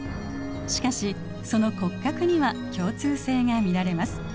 しかしその骨格には共通性が見られます。